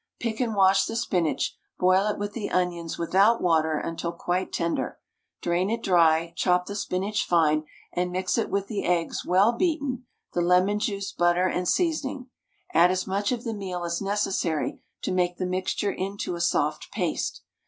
Pick and wash the spinach, boil it with the onions without water until quite tender; drain it dry, chop the spinach fine, and mix it with the eggs well beaten, the lemon juice, butter, and seasoning. Add as much of the meal as necessary to make the mixture into a soft paste.